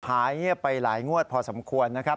หายไปหลายงวดพอสำควรนะครับ